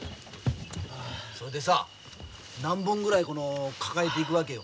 それでさ何本ぐらいこの抱えて行くわけよ？